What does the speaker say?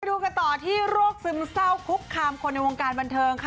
ดูกันต่อที่โรคซึมเศร้าคุกคามคนในวงการบันเทิงค่ะ